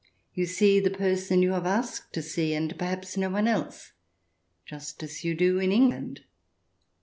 You see the person you have asked to see and perhaps no one else, just as you do in England.